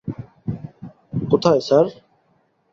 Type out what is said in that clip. কোথায় স্যার?